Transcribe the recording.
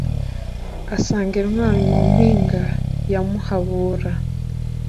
asanga intwari mu mpinga ya muhabura